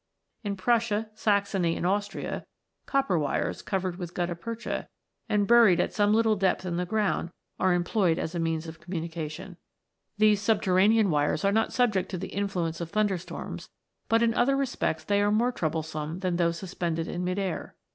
In Prussia, Saxony, and Austria, copper wires, covered with gutta percha, and buried at some little depth in the ground, are employed as a means of communication. These subterranean wires are not 24 THE AMBER SPIRIT. subject to the influence of thunderstorms, but in other respects they are more troublesome than those suspended in mid air.